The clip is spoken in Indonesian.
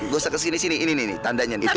gosok ke sini sini ini ini ini tandanya itu